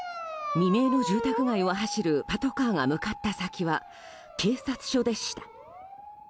未明の住宅街を走るパトカーが向かった先は警察署でした。